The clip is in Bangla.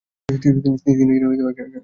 তিনি ছিলেন একজন শিক্ষাবিদ।